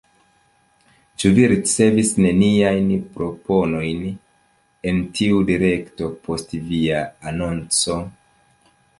Ĉu vi ricevis neniajn proponojn en tiu direkto post via anonco?